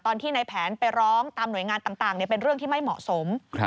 ตอนที่ในแผนไปร้องตามหน่วยงานต่างเป็นเรื่องที่ไม่เหมาะสม